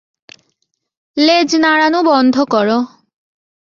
লেজ নাড়ানো বন্ধ করো।